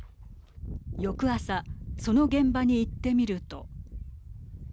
翌朝、その現場に行ってみると。